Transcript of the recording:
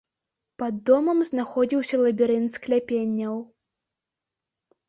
Пад домам знаходзіўся лабірынт скляпенняў.